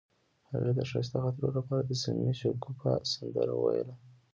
هغې د ښایسته خاطرو لپاره د صمیمي شګوفه سندره ویله.